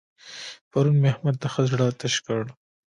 پرون مې احمد ته ښه زړه تش کړ.